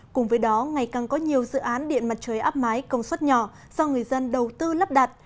cùng với đó ngày càng có nhiều dự án điện mặt trời áp mái công suất nhỏ do người dân đầu tư lắp đặt